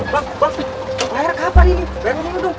bang bayar kapan ini bayar mau duduk